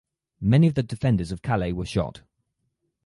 Many of the defenders of Calais were shot.